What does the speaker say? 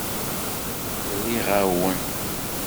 Briɣ-awen.